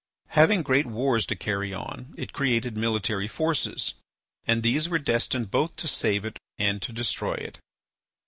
Having great wars to carry on, it created military forces, and these were destined both to save it and to destroy it.